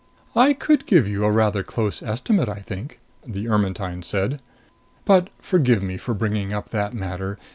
"I could give you a rather close estimate, I think," the Ermetyne said. "But forgive me for bringing up that matter.